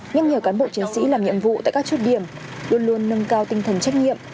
nhưng nhiều cán bộ chiến sĩ làm nhiệm vụ tại các chốt điểm luôn luôn nâng cao tinh thần trách nhiệm